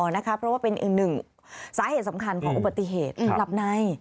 เพราะว่าเป็นอีกหนึ่งสาเหตุสำคัญของอุบัติเหตุหลับใน